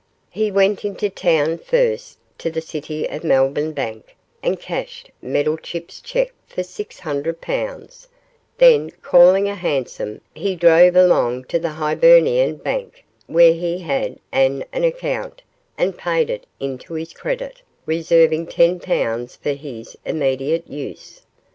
He went into town first, to the City of Melbourne Bank, and cashed Meddlechip's cheque for six hundred pounds, then, calling a hansom, he drove along to the Hibernian Bank, where he had an account, and paid it into his credit, reserving ten pounds for his immediate use.